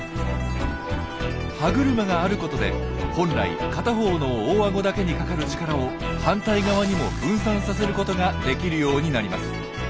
歯車があることで本来片方の大あごだけにかかる力を反対側にも分散させることができるようになります。